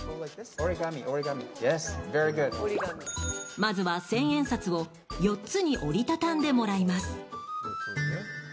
まずは１０００円札を４つに折り畳んでもらいます。